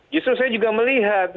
justru saya juga melihat